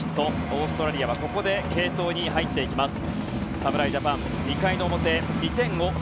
オーストラリアはここで継投に入ります。